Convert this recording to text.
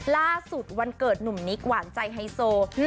ล่าสุดวันเกิดหนุ่มนิกหวานใจไฮโซ